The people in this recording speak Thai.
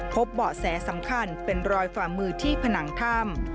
เบาะแสสำคัญเป็นรอยฝ่ามือที่ผนังถ้ำ